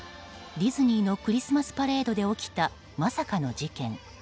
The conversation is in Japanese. ディズニーのクリスマスパレードで起きたまさかの事件。